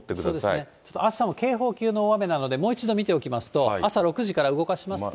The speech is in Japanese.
そうですね、あしたも警報級の大雨なので、もう一度見ておきますと、朝６時から動かしますと。